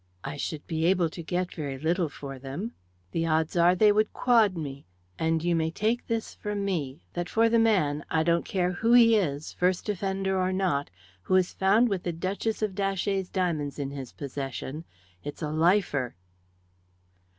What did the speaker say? I should be able to get very little for them; the odds are they would quod me; and you may take this from me, that for the man I don't care who he is, first offender or not who is found with the Duchess of Datchet's diamonds in his possession, it's a lifer!"